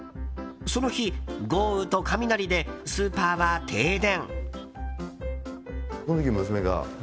その日豪雨と雷でスーパーは停電。